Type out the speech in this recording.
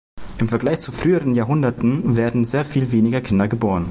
Im Vergleich zu früheren Jahrhunderten werden sehr viel weniger Kinder geboren.